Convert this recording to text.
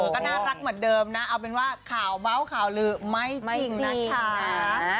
ก็น่ารักเหมือนเดิมนะเอาเป็นว่าข่าวเมาส์ข่าวลือไม่จริงนะคะ